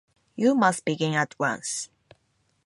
You must begin at once.